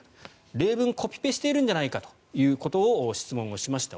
例文をコピペしているんじゃないかということをおととい、質問しました。